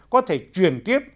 có thể truyền tiếp